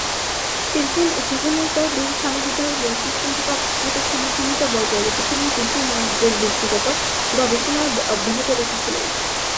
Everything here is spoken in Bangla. টেলিফোন উদ্ভাবনের পর, বেল সামগ্রিকভাবে বেল সিস্টেম থেকে অপেক্ষাকৃত ক্ষীণ ভূমিকা বজায় রেখেছিলেন, কিন্তু নিজের ব্যক্তিগত গবেষণার অব্যাহত রেখেছিলেন।